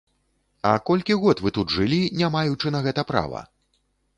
А колькі год вы тут жылі, не маючы на гэта права?